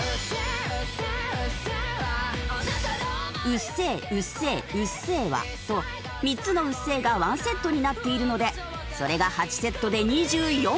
「うっせぇうっせぇうっせぇわ」と３つの「うっせぇ」がワンセットになっているのでそれが８セットで２４回。